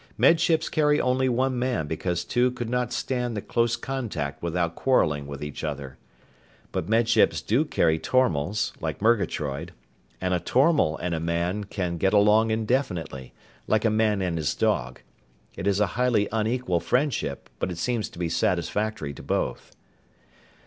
Med Ships carry only one man because two could not stand the close contact without quarreling with each other. But Med Ships do carry tormals, like Murgatroyd, and a tormal and a man can get along indefinitely, like a man and a dog. It is a highly unequal friendship, but it seems to be satisfactory to both.